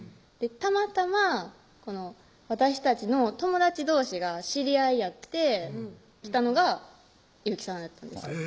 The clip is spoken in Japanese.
たまたま私たちの友達どうしが知り合いやって来たのが雄希さんやったんですよ